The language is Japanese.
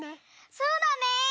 そうだね！